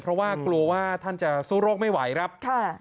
เพราะว่ากลัวว่าท่านจะสู้โรคไม่ไหวครับค่ะ